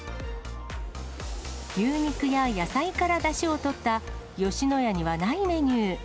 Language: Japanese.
牛肉や野菜からだしをとった吉野家にはないメニュー。